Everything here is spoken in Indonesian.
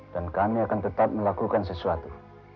kami akan tetap melakukan sesuatu